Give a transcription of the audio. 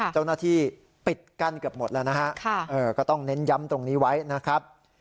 เจ้าหน้าที่ปิดกั้นเกือบหมดแล้วนะฮะก็ต้องเน้นย้ำตรงนี้ไว้นะครับ